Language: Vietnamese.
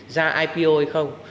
ra ipo hay không